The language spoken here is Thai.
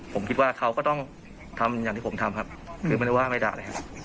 ผมคิดว่าเขาก็ต้องทำอย่างที่ผมทำครับคือไม่ได้ว่าไม่ด่าเลยครับ